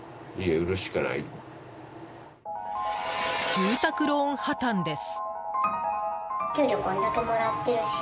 住宅ローン破綻です。